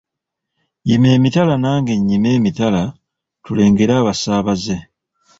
Yima emitala nange nnyime emitala tulengere abasaabaze